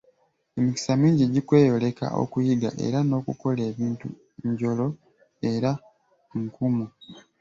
Emikisa mingi gikweyoleka okuyiga era n'okukola ebintu njolo era nkumu.